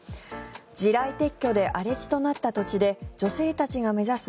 地雷撤去で荒れ地となった土地で女性たちが目指す